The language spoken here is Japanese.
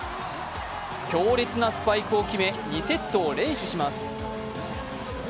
強烈なスパイクを決め、２セットを連取します。